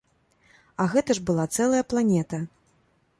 А гэта ж была цэлая планета.